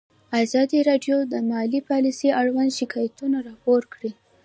ازادي راډیو د مالي پالیسي اړوند شکایتونه راپور کړي.